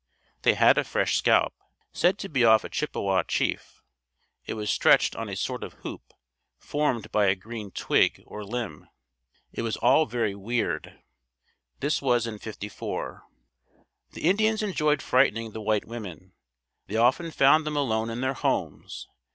They had a fresh scalp, said to be off a Chippewa chief. It was stretched on a sort of hoop, formed by a green twig, or limb. It was all very weird. This was in '54. The Indians enjoyed frightening the white women. They often found them alone in their homes.